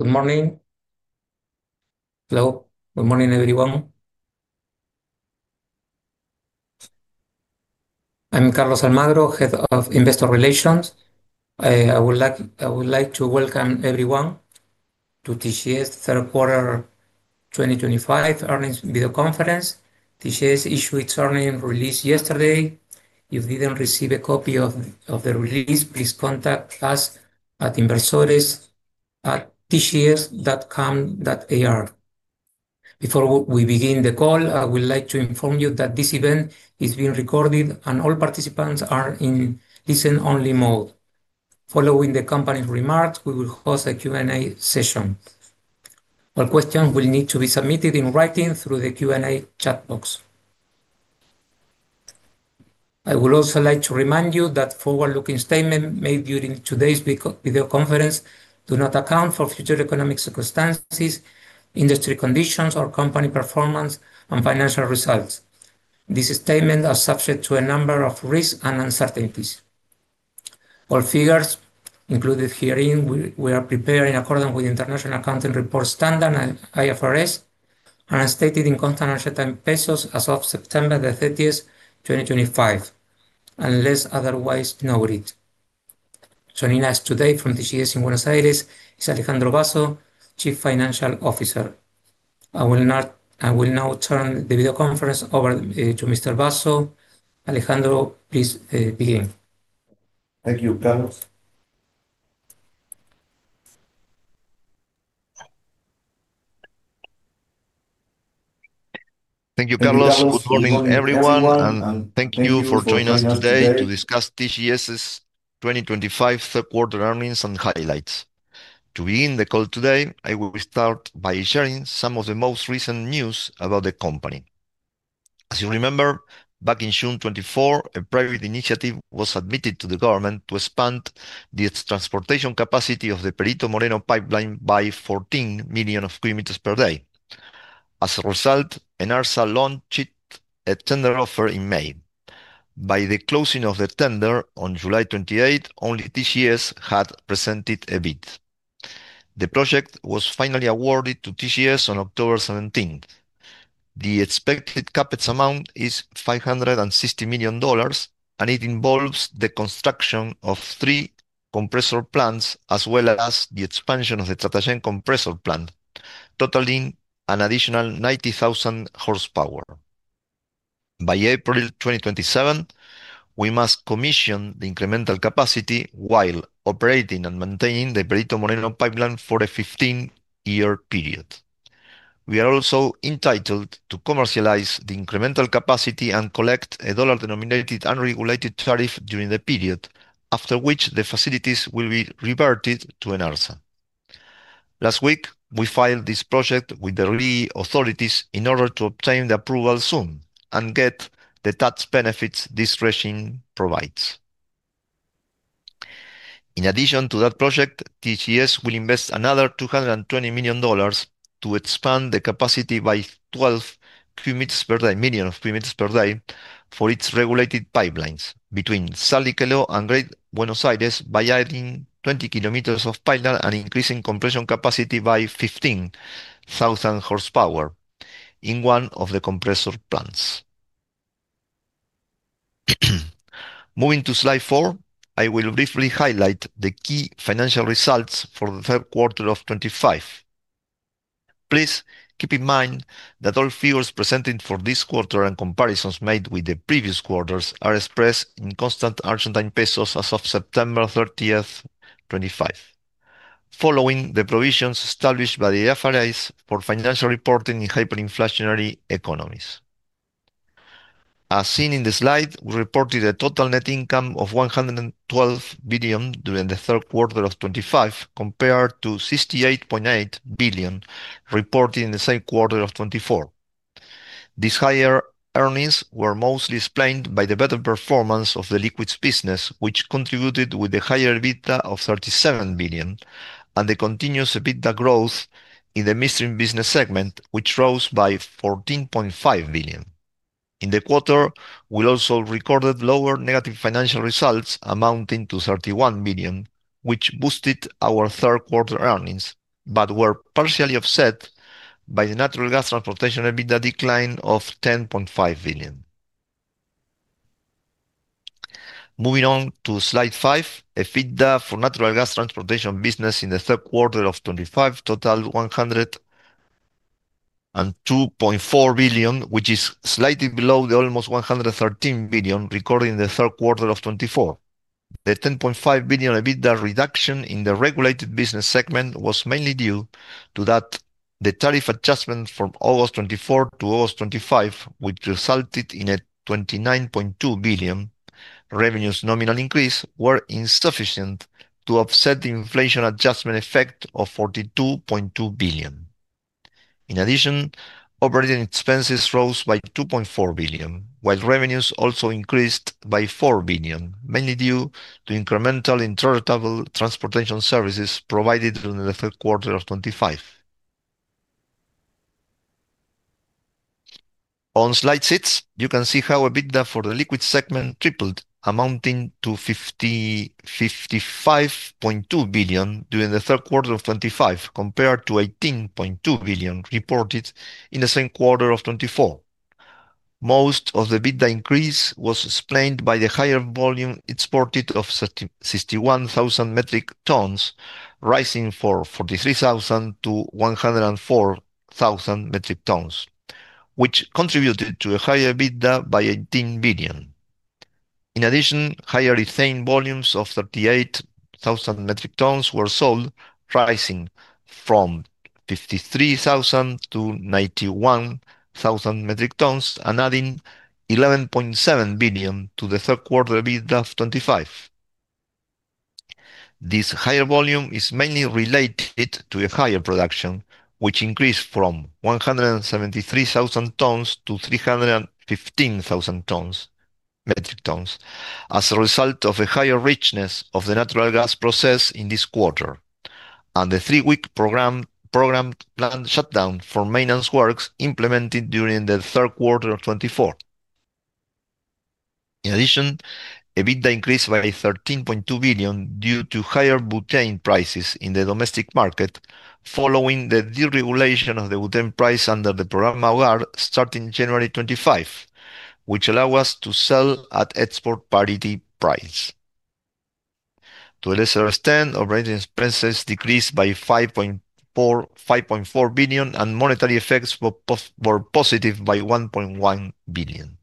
Good morning. Hello. Good morning, everyone. I'm Carlos Almagro, Head of Investor Relations. I would like to welcome everyone to TGS third quarter 2025 earnings video conference. TGS issued its earnings release yesterday. If you didn't receive a copy of the release, please contact us at investors@tgs.com.ar. Before we begin the call, I would like to inform you that this event is being recorded and all participants are in listen-only mode. Following the company's remarks, we will host a Q&A session. All questions will need to be submitted in writing through the Q&A chat box. I would also like to remind you that forward-looking statements made during today's video conference do not account for future economic circumstances, industry conditions, or company performance and financial results. This statement is subject to a number of risks and uncertainties. All figures included herein we are preparing according to the International Financial Reporting Standards (IFRS) and as stated in constant Argentine pesos as of September 30th, 2025. Unless otherwise noted. Joining us today from TGS in Buenos Aires is Alejandro Basso, Chief Financial Officer. I will now turn the video conference over to Mr. Basso. Alejandro, please begin. Thank you, Carlos. Thank you, Carlos. Good morning, everyone, and thank you for joining us today to discuss TGS's 2025 third quarter earnings and highlights. To begin the call today, I will start by sharing some of the most recent news about the company. As you remember, back in June 2024, a private initiative was submitted to the government to expand the transportation capacity of the Perito Moreno pipeline by 14 million cubic meters per day. As a result, ENARSA launched a tender offer in May. By the closing of the tender on July 28, only TGS had presented a bid. The project was finally awarded to TGS on October 17th. The expected CapEx amount is $560 million, and it involves the construction of three compressor plants as well as the expansion of the Tratayén compressor plant, totaling an additional 90,000 horsepower. By April 2027, we must commission the incremental capacity while operating and maintaining the Perito Moreno pipeline for a 15-year period. We are also entitled to commercialize the incremental capacity and collect a dollar-denominated unregulated tariff during the period, after which the facilities will be reverted to ENARSA. Last week, we filed this project with the regulatory authorities in order to obtain the approval soon and get the tax benefits this regime provides. In addition to that project, TGS will invest another $220 million to expand the capacity by 12 million cubic meters per day for its regulated pipelines between Saliceto and Greater Buenos Aires, by adding 20 km of pipeline and increasing compression capacity by 15,000 horsepower in one of the compressor plants. Moving to slide four, I will briefly highlight the key financial results for the third quarter of 2025. Please keep in mind that all figures presented for this quarter and comparisons made with the previous quarters are expressed in constant Argentine pesos as of September 30th, 2025. Following the provisions established by the IFRS for financial reporting in hyperinflationary economies. As seen in the slide, we reported a total net income of 112 billion during the third quarter of 2025, compared to 68.8 billion reported in the same quarter of 2024. These higher earnings were mostly explained by the better performance of the liquids business, which contributed with a higher EBITDA of 37 billion, and the continuous EBITDA growth in the midstream business segment, which rose by 14.5 billion. In the quarter, we also recorded lower negative financial results amounting to 31 billion, which boosted our third quarter earnings, but were partially offset by the natural gas transportation EBITDA decline of 10.5 billion. Moving on to slide five, EBITDA for natural gas transportation business in the third quarter of 2025 totaled 102.4 billion, which is slightly below the almost 113 billion recorded in the third quarter of 2024. The 10.5 billion EBITDA reduction in the regulated business segment was mainly due to that the tariff adjustments from August 2024-August 2025, which resulted in a 29.2 billion revenues nominal increase, were insufficient to offset the inflation adjustment effect of 42.2 billion. In addition, operating expenses rose by 2.4 billion, while revenues also increased by 4 billion, mainly due to incremental intrastate transportation services provided during the third quarter of 2025. On slide six, you can see how EBITDA for the liquid segment tripled, amounting to 55.2 billion during the third quarter of 2025, compared to 18.2 billion reported in the same quarter of 2024. Most of the EBITDA increase was explained by the higher volume exported of 61,000 metric tons, rising from 43,000-104,000 metric tons, which contributed to a higher EBITDA by 18 billion. In addition, higher ethane volumes of 38,000 metric tons were sold, rising from 53,000-91,000 metric tons, and adding 11.7 billion to the third quarter EBITDA of 2025. This higher volume is mainly related to a higher production, which increased from 173,000 tons-315,000 metric tons as a result of a higher richness of the natural gas process in this quarter and the three-week planned shutdown for maintenance works implemented during the third quarter of 2024. In addition, EBITDA increased by 13.2 billion due to higher butane prices in the domestic market following the deregulation of the butane price under the program AUGAR starting January 2025, which allowed us to sell at export parity price. To a lesser extent, operating expenses decreased by 5.4 billion, and monetary effects were positive by 1.1 billion.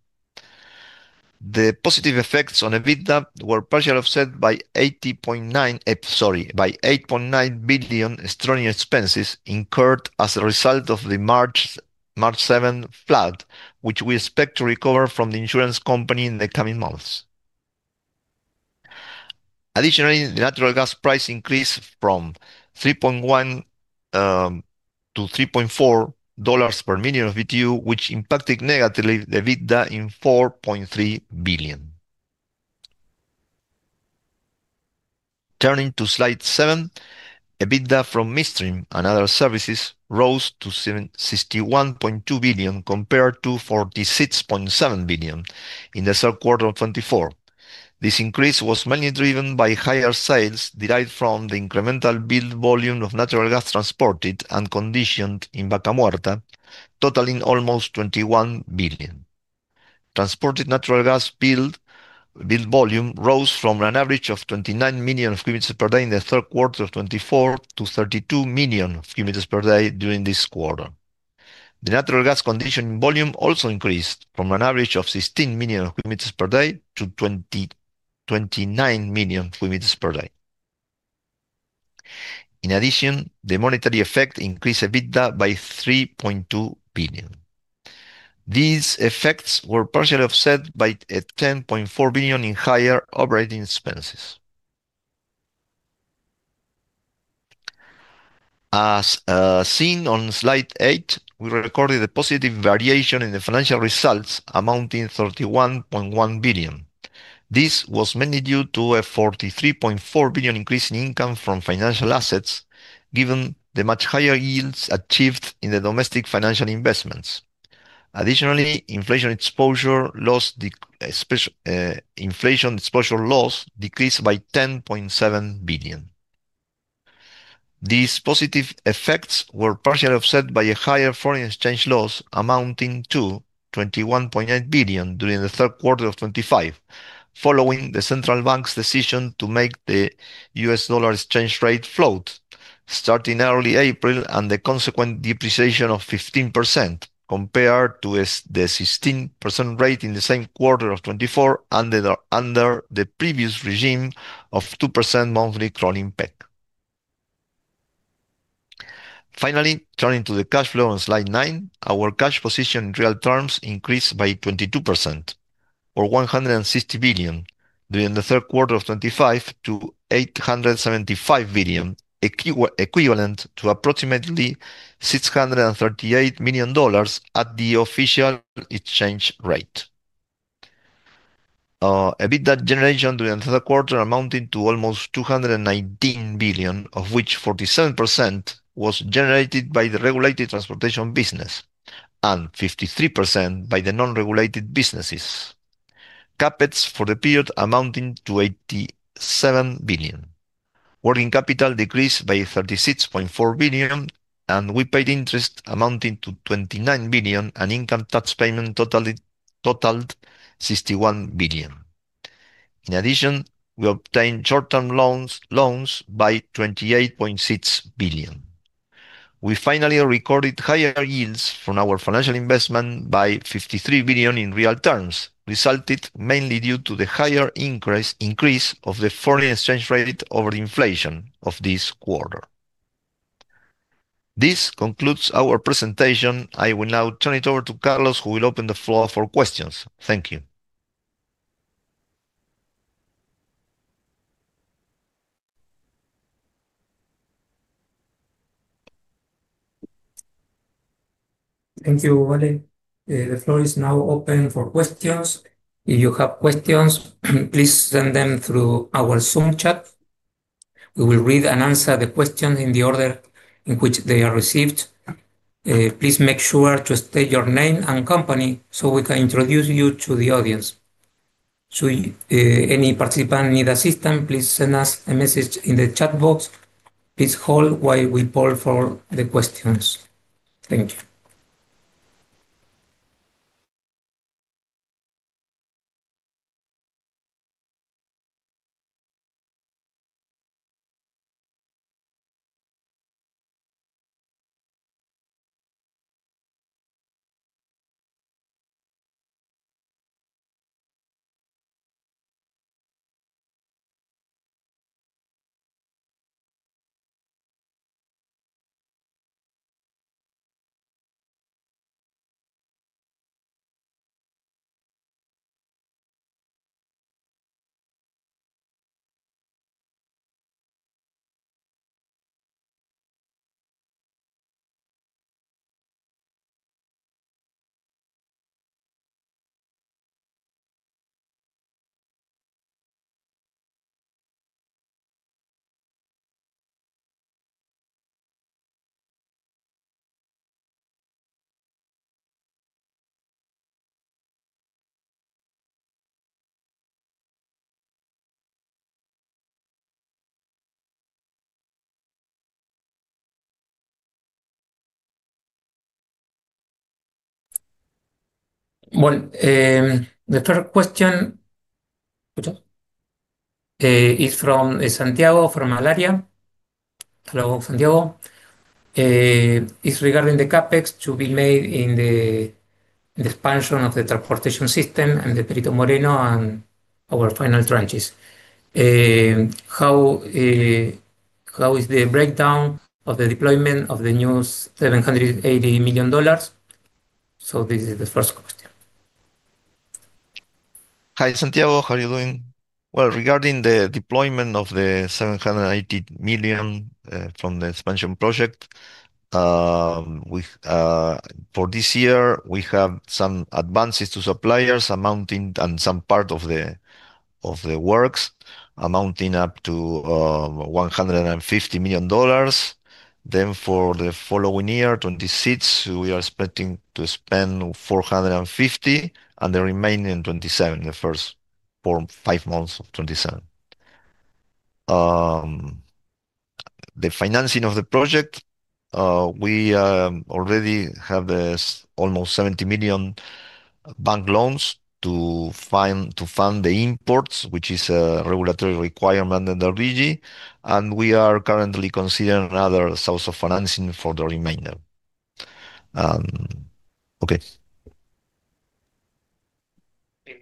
The positive effects on EBITDA were partially offset by ARS 8.9 billion strong expenses incurred as a result of the March 7 flood, which we expect to recover from the insurance company in the coming months. Additionally, the natural gas price increased from $3.1-$3.4 per million BTU, which impacted negatively the EBITDA in 4.3 billion. Turning to slide seven, EBITDA from midstream and other services rose to 61.2 billion compared to 46.7 billion in the third quarter of 2024. This increase was mainly driven by higher sales derived from the incremental billable volume of natural gas transported and conditioned in Vaca Muerta, totaling almost 21 billion. Transported natural gas billable volume rose from an average of 29 million cubic meters per day in the third quarter of 2024 to 32 million cubic meters per day during this quarter. The natural gas conditioned volume also increased from an average of 16 million cubic meters per day to 29 million cubic meters per day. In addition, the monetary effect increased EBITDA by 3.2 billion. These effects were partially offset by 10.4 billion in higher operating expenses. As seen on slide eight, we recorded a positive variation in the financial results amounting to 31.1 billion. This was mainly due to a 43.4 billion increase in income from financial assets, given the much higher yields achieved in the domestic financial investments. Additionally, inflation exposure loss decreased by 10.7 billion. These positive effects were partially offset by a higher foreign exchange loss amounting to 21.8 billion during the third quarter of 2025, following the central bank's decision to make the U.S. dollar exchange rate float starting early April and the consequent depreciation of 15% compared to the 16% rate in the same quarter of 2024 and under the previous regime of 2% monthly crawling peg. Finally, turning to the cash flow on slide nine, our cash position in real terms increased by 22%, or 160 billion during the third quarter of 2025 to 875 billion, equivalent to approximately $638 million at the official exchange rate. EBITDA generation during the third quarter amounted to almost 219 billion, of which 47% was generated by the regulated transportation business, and 53% by the non-regulated businesses. CapEx for the period amounting to 87 billion. Working capital decreased by 36.4 billion, and we paid interest amounting to 29 billion, and income tax payment totaled 61 billion. In addition, we obtained short-term loans by 28.6 billion. We finally recorded higher yields from our financial investment by 53 billion in real terms, resulting mainly due to the higher increase of the foreign exchange rate over inflation of this quarter. This concludes our presentation. I will now turn it over to Carlos, who will open the floor for questions. Thank you. Thank you, Ale. The floor is now open for questions. If you have questions, please send them through our Zoom chat. We will read and answer the questions in the order in which they are received. Please make sure to state your name and company so we can introduce you to the audience. Should any participant need assistance, please send us a message in the chat box. Please hold while we poll for the questions. Thank you. Well, the first question is from Santiago from Alaria. Hello, Santiago. Is regarding the capex to be made in the expansion of the transportation system and the Perito Moreno and our final tranches. How is the breakdown of the deployment of the new $780 million? So this is the first question. Hi, Santiago. How are you doing? Well, regarding the deployment of the $780 million from the expansion project. For this year, we have some advances to suppliers amounting and some part of the works amounting up to $150 million. Then for the following year, 2026, we are expecting to spend $450 million and the remaining $27 million the first five months of 2027. The financing of the project, we already have almost $70 million bank loans to fund the imports, which is a regulatory requirement under BG, and we are currently considering other sources of financing for the remainder.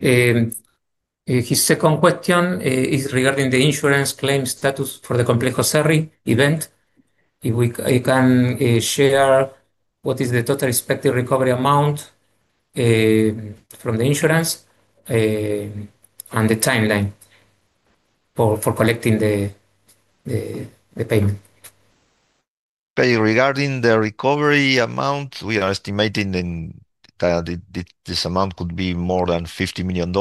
Okay. His second question is regarding the insurance claim status for the Complejo Cerri event. If we can share what is the total expected recovery amount from the insurance and the timeline for collecting the payment. Regarding the recovery amount, we are estimating that. This amount could be more than $50 million,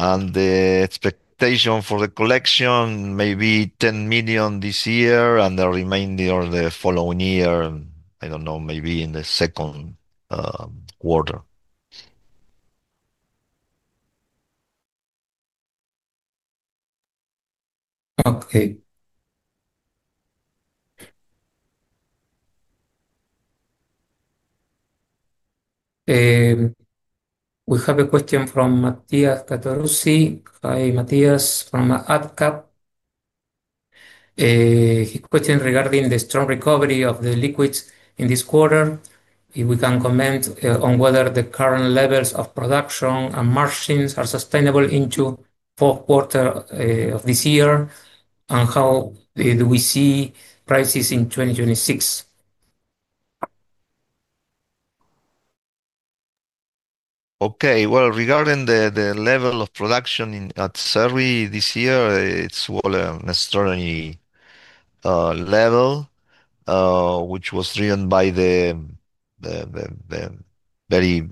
and the expectation for the collection may be $10 million this year and the remainder the following year, I don't know, maybe in the second quarter. Okay. We have a question from Matías Casparrucci. Hi, Matías from Adcap. His question regarding the strong recovery of the liquids in this quarter, if we can comment on whether the current levels of production and margins are sustainable into the fourth quarter of this year and how do we see prices in 2026. Okay. Well, regarding the level of production at Cerri this year, it's an extraordinary level which was driven by the very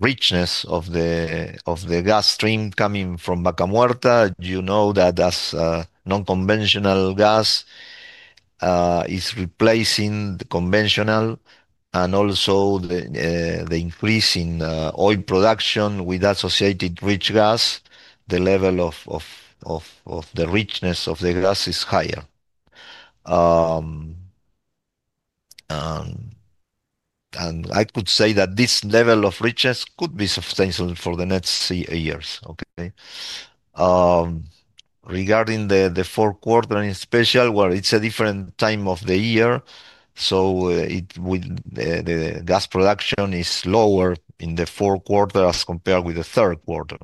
richness of the gas stream coming from Vaca Muerta. You know that as non-conventional gas is replacing the conventional. And also the increase in oil production with associated rich gas, the level of the richness of the gas is higher. And I could say that this level of richness could be substantial for the next years. Okay. Regarding the fourth quarter especially, well, it's a different time of the year. So the gas production is lower in the fourth quarter as compared with the third quarter.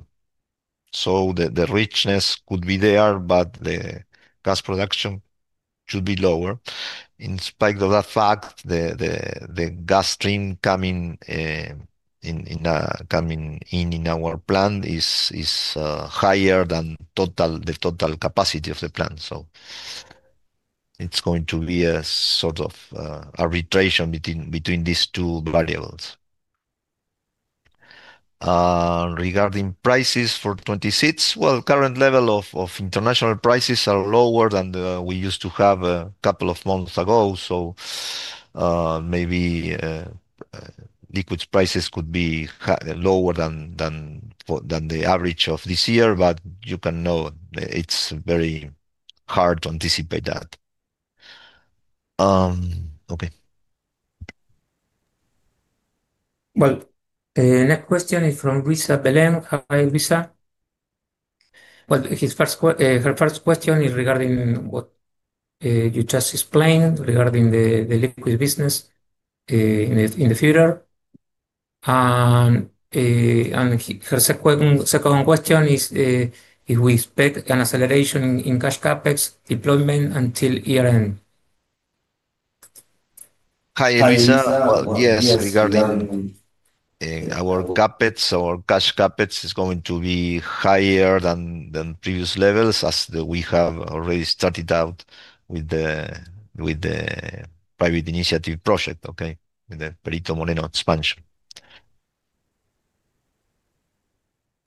So the richness could be there, but the gas production should be lower. In spite of that fact, the gas stream coming in our plant is higher than the total capacity of the plant. So it's going to be a sort of arbitration between these two variables. Regarding prices for 2026, well, the current level of international prices are lower than we used to have a couple of months ago. So maybe liquid prices could be lower than the average of this year, but you know it's very hard to anticipate that. Okay. The next question is from Luisa Belen. Hi, Luisa. Her first question is regarding what you just explained regarding the liquid business in the future. And her second question is if we expect an acceleration in cash CapEx deployment until year-end. Hi, Luisa. Well, yes, regarding our CapEx, our cash CapEx is going to be higher than previous levels as we have already started out with the private initiative project, okay, with the Perito Moreno expansion.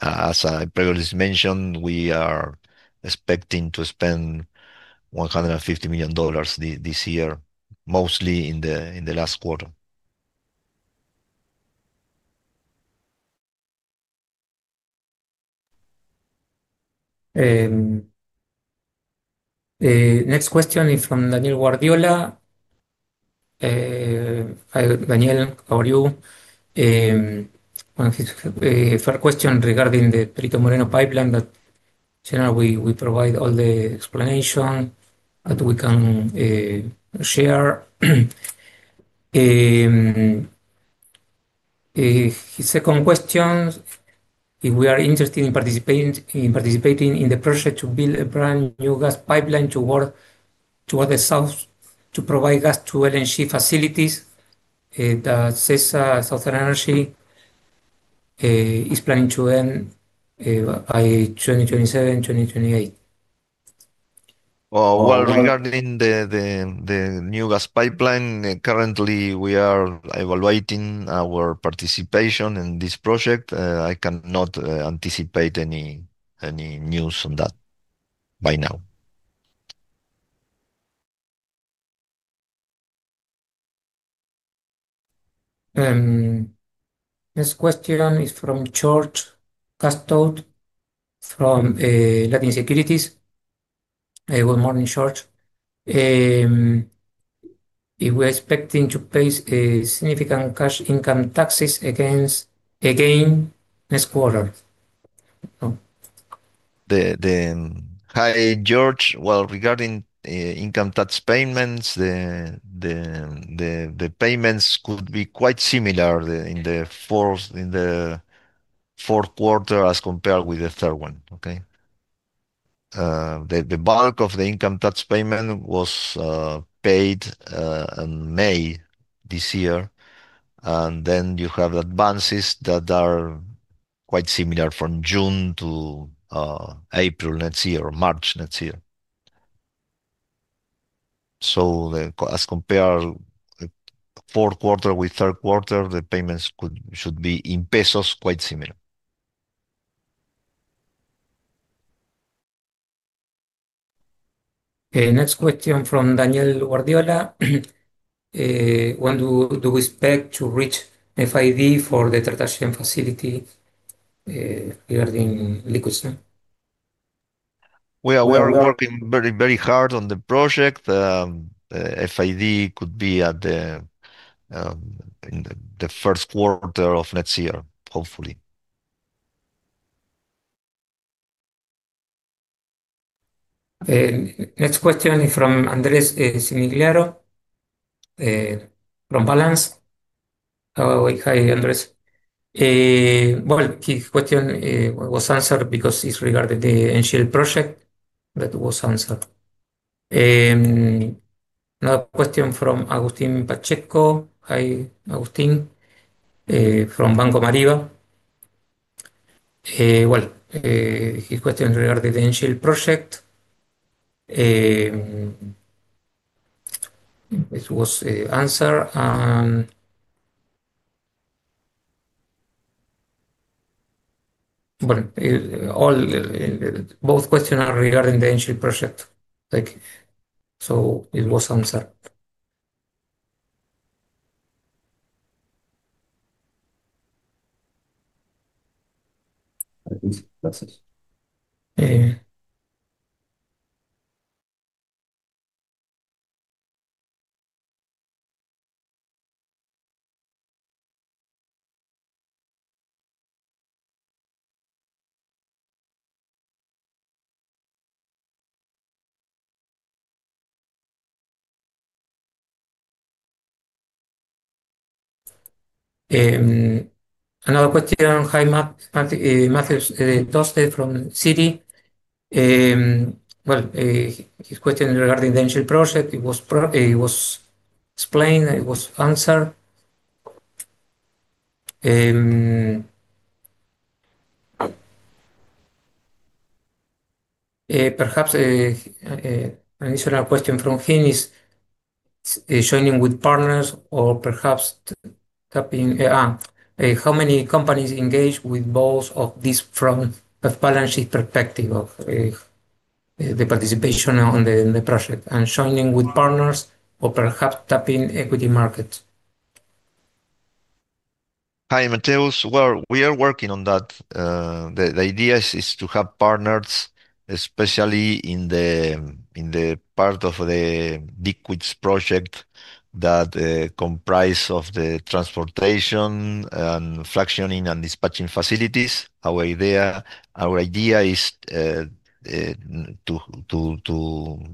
As I previously mentioned, we are expecting to spend $150 million this year, mostly in the last quarter. Next question is from Daniel Guardiola. Daniel, how are you? One of his first questions regarding the Perito Moreno pipeline that we provide all the explanation that we can share. His second question if we are interested in participating in the project to build a brand new gas pipeline towards the south to provide gas to LNG facilities that CIESA Southern Energy is planning to end by 2027, 2028. Regarding the new gas pipeline, currently we are evaluating our participation in this project. I cannot anticipate any news on that by now. Next question is from George Casto from Latin Securities. Good morning, George. If we are expecting to pay significant cash income taxes again next quarter? Hi, George. Well, regarding income tax payments, the payments could be quite similar in the fourth quarter as compared with the third one. Okay. The bulk of the income tax payment was paid in May this year. And then you have advances that are quite similar from June to April next year, March next year. So as compared fourth quarter with third quarter, the payments should be in pesos quite similar. Next question from Daniel Guardiola. When do we expect to reach FID for the fractionation facility regarding liquids? We are working very, very hard on the project. FID could be at the first quarter of next year, hopefully. Next question is from Andrés Semiglero. From Balance. Hi, Andrés. Well, his question was answered because it's regarding the NGL project that was answered. Another question from Agustín Pacheco. Hi, Agustín. From Banco Mariva. Well, his question regarding the NGL project. It was answered. Well, both questions are regarding the NGL project. So it was answered. Another question. Hi, Matheus Doste from City. Well, his question regarding the NGL project, it was explained, it was answered. Perhaps an additional question from him is joining with partners or perhaps tapping. How many companies engage with both of these from a balanced perspective of the participation in the project and joining with partners or perhaps tapping equity markets? Hi, Matheus. Well, we are working on that. The idea is to have partners, especially in the part of the liquids project that comprises the transportation and fractionation and dispatching facilities. Our idea is to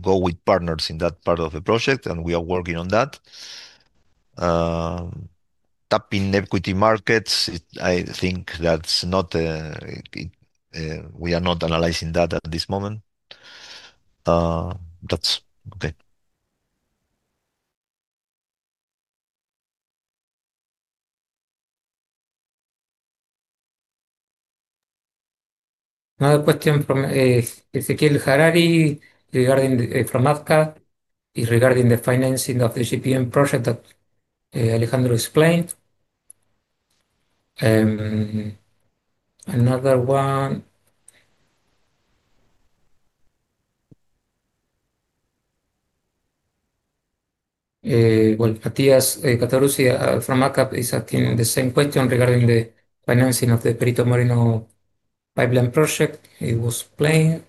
go with partners in that part of the project, and we are working on that. Tapping equity markets, I think that's not. We are not analyzing that at this moment. That's okay. Another question from Ezequiel Harari from Adcap regarding the financing of the GPM project that Alejandro explained. Another one. Matías Casparrucci from Adcap is asking the same question regarding the financing of the Perito Moreno pipeline project. It was explained.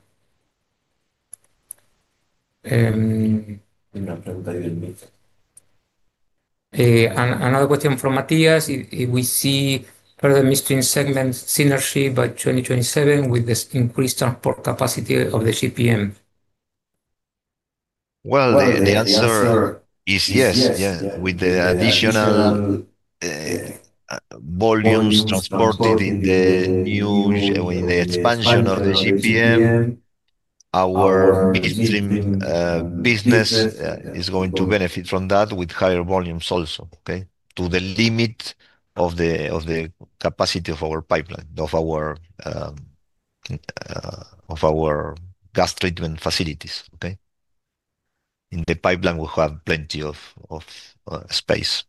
Another question from Matías. If we see further midstream segment synergy by 2027 with the increased transport capacity of the GPM? The answer is yes. Yeah. With the additional volumes transported in the expansion of the GPM. Our midstream business is going to benefit from that with higher volumes also, okay, to the limit of the capacity of our pipeline, of our gas treatment facilities. Okay. In the pipeline, we have plenty of space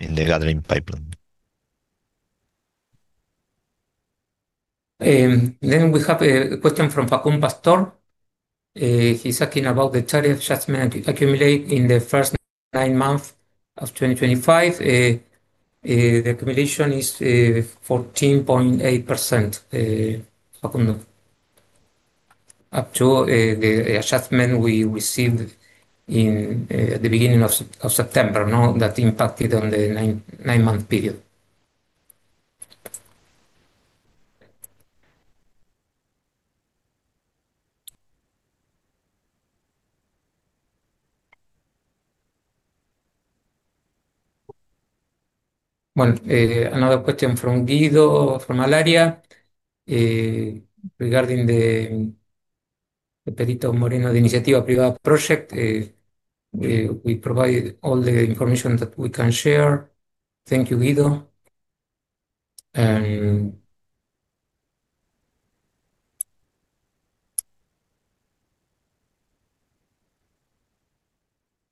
in the gathering pipeline. Then we have a question from Facón Pastor. He's asking about the challenge assessment accumulated in the first nine months of 2025. The accumulation is 14.8%. Up to the assessment we received at the beginning of September that impacted on the nine-month period. Well, another question from Guido from Alaria. Regarding the Perito Moreno Iniciativa Private Project. We provide all the information that we can share. Thank you, Guido.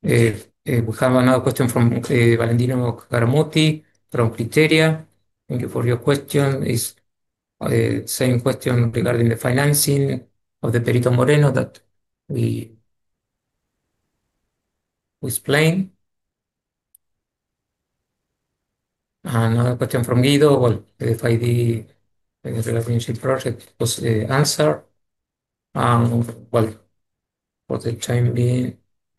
We have another question from Valentino Caramutti from Criteria. Thank you for your question. Same question regarding the financing of the Perito Moreno that we explained. Another question from Guido. Well, the FID-related project was answered. Well, for the time being,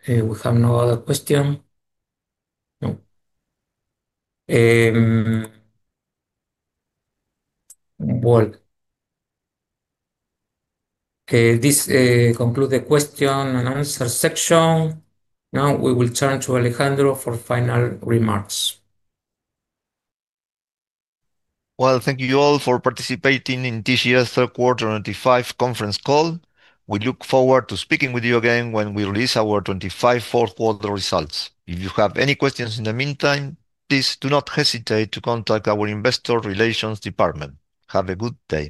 we have no other question. Well. This concludes the question and answer section. Now we will turn to Alejandro for final remarks. Well, thank you all for participating in this year's third quarter 2025 conference call. We look forward to speaking with you again when we release our 2025 fourth quarter results. If you have any questions in the meantime, please do not hesitate to contact our investor relations department. Have a good day.